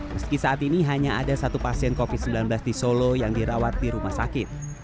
meski saat ini hanya ada satu pasien covid sembilan belas di solo yang dirawat di rumah sakit